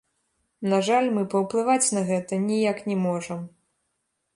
На жаль, мы паўплываць на гэта ніяк не можам.